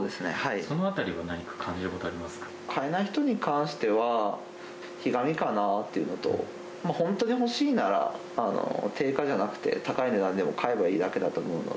そのあたりは何か感じること買えない人に関しては、ひがみかなっていうのと、本当に欲しいなら、定価じゃなくて、高い値段でも買えばいいだけだと思うので。